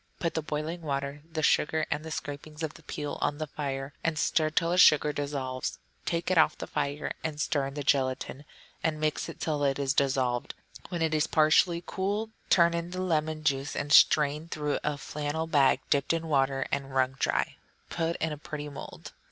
Put the boiling water, the sugar, and the scrapings of the peel on the fire, and still till the sugar dissolves. Take it off the fire and stir in the gelatine, and mix till this is dissolved; when it is partly cool, turn in the lemon juice and strain through a flannel bag dipped in water and wrung dry. Put in a pretty mould.